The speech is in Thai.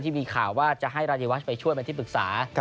ที่มีข่าวว่าจะให้รายวัชไปช่วยเป็นที่ปรึกษา